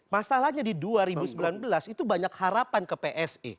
masalahnya di dua ribu sembilan belas itu banyak harapan ke psi